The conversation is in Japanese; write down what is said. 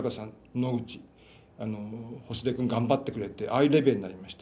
野口星出君が頑張ってくれてああいうレベルになりました。